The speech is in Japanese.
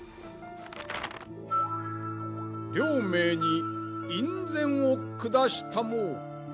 両名に院宣を下したもう。